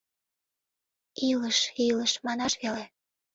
Илыш, илыш - манаш веле